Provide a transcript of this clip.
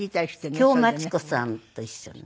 京マチ子さんと一緒にね。